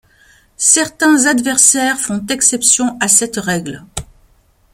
Certains adversaires font exception à cette règle.